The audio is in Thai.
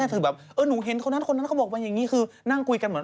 ที่ผ่านมานี้เอง